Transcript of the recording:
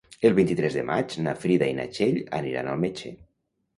El vint-i-tres de maig na Frida i na Txell aniran al metge.